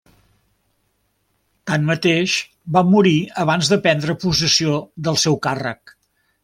Tanmateix, va morir abans de prendre possessió del seu càrrec.